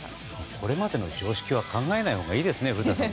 これまでの常識は考えないほうがいいですね。